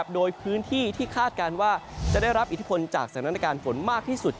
โดยพื้นที่ที่คาดการณ์ว่าจะได้รับอิทธิพลจากสถานการณ์ฝนมากที่สุด